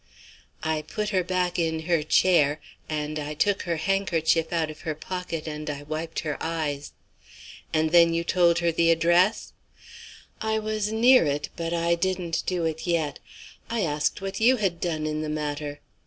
I put her back in her chair, and I took her handkerchief out of her pocket and I wiped her eyes." "And then you told her the address?" "I was near it, but I didn't do it yet. I asked what you had done in the matter.